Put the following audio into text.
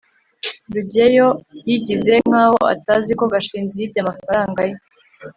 rugeyo yigize nkaho atazi ko gashinzi yibye amafaranga ye